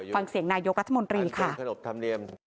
ฟังเสียงนายกรัฐมนตรีค่ะ